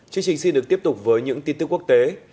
chương trình xin được tiếp tục với những tin tức quốc tế